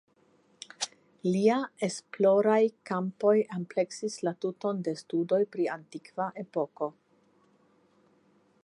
Lia esploraj kampoj ampleksis la tuton de studoj pri antikva epoko.